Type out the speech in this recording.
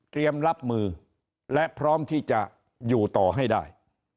รับมือและพร้อมที่จะอยู่ต่อให้ได้